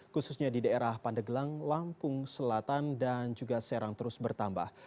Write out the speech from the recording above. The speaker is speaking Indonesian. khususnya di daerah pandeglang lampung selatan dan juga serang terus bertambah